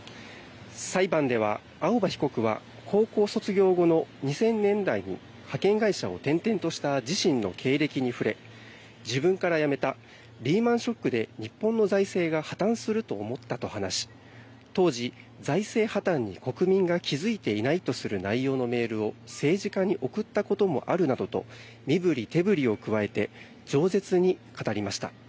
裁判では青葉被告は高校卒業後の２０００年代に派遣会社を転々とした自身の経歴に触れ自分から辞めたリーマン・ショックで日本の財政が破たんすると思ったと話し当時、財政破たんに国民が気付いていないとする内容のメールを政治家に送ったこともあるなどと身ぶり手ぶりを加えて冗舌に語りました。